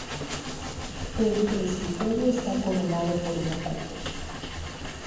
El presbiterio está coronado por una cúpula.